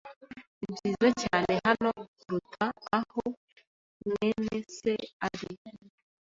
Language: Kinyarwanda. Ni byiza cyane hano kuruta aho mwene se ari.